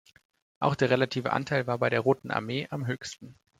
Auch der relative Anteil war bei der Roten Armee am höchsten.